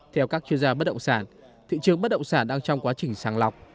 theo các chuyên gia bất động sản thị trường bất động sản đang trong quá trình sàng lọc